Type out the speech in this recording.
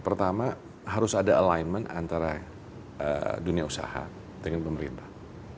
pertama harus ada alignment antara dunia usaha dengan pemerintah